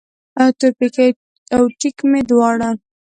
تورپیکی او ټیک مې دواړه